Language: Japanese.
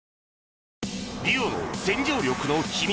ＤＵＯの洗浄力の秘密